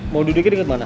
mau duduknya diket mana